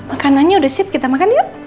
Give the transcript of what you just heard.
makanannya udah seat kita makan yuk